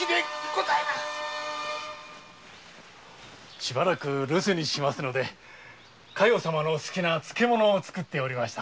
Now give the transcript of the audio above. しばらく留守にしますので加代様の好きな漬物を作っておりました。